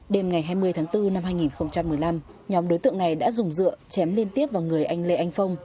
đêm ngày hai mươi tháng bốn năm hai nghìn một mươi năm nhóm đối tượng này đã dùng dựa chém liên tiếp vào người anh lê anh phong